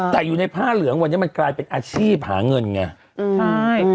แต่อยู่ในผ้าเหลืองวันนี้มันกลายเป็นอาชีพหาเงินไง